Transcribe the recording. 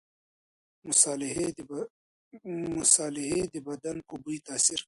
مصالحې د بدن په بوی تاثیر کوي.